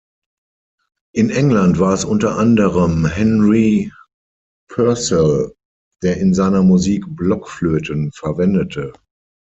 In England war es unter anderem Henry Purcell, der in seiner Musik Blockflöten verwendete.